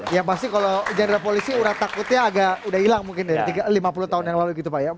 ya pasti kalau jenderal polisi udah takutnya agak udah hilang mungkin dari lima puluh tahun yang lalu gitu pak